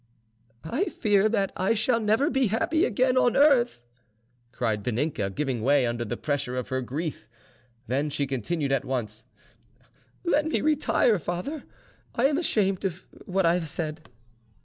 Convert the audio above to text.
"I fear that I shall never be happy again on earth," cried Vaninka, giving way under the pressure of her grief; then she continued at once, "Let me retire, father; I am ashamed of what I have said."